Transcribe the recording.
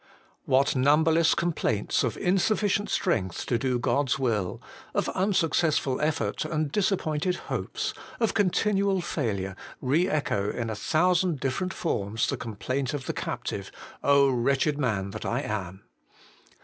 What numberless complaints of insufficient strength to do God's will, of unsuccessful effort and disappointed hopes, of continual failure, re echo in a thousand different forms the complaint of the cap tive, ' O wretched man that I am